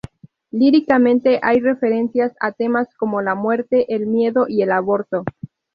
Líricamente hay referencias a temas como la muerte, el miedo y el aborto.